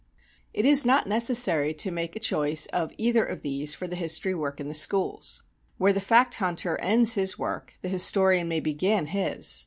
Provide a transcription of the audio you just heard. It is not necessary to make a choice of either of these for the history work in the schools. Where the fact hunter ends his work the historian may begin his.